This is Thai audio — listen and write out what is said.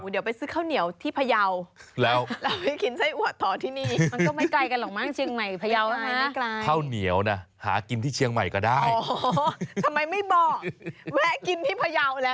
เดี๋ยวไปซื้อข้าวเหนียวที่พะเยา